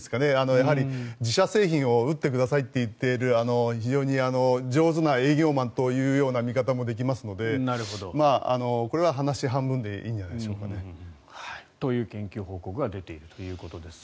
やはり、自社製品を打ってくださいと言っている非常に上手な営業マンという見方もできますのでこれは話半分でいいんじゃないでしょうかね。という研究報告が出ているということです。